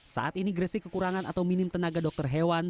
saat ini gresik kekurangan atau minim tenaga dokter hewan